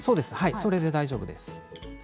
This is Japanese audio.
それで大丈夫です。